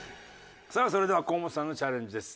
それでは河本さんのチャレンジです。